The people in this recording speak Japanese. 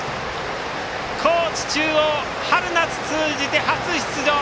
高知中央、春夏通じて初出場。